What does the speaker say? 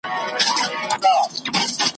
زور د ستمګر مو پر سینه وجود وېشلی دی `